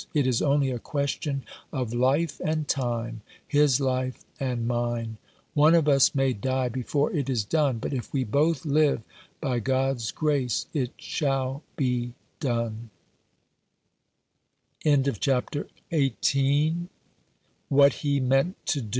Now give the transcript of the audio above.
It is only a question of life and time ; his life and mine. One of us may die before it is done ; but if we both live, by God's grace it shall be done." 316 The American Remembers, CHAPTER XIX.